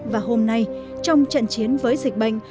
và hôm nay trong trận chiến với dịch bệnh